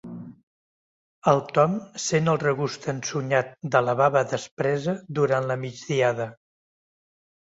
El Tom sent el regust ensonyat de la bava despresa durant la migdiada.